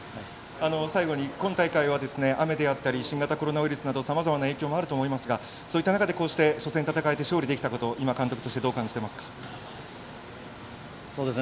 最後に今大会は雨であったり新型コロナウイルスなどさまざまな影響もあると思いますがそういった中でこうして初戦を戦えて勝利できたこと今、監督としてどう感じていますか。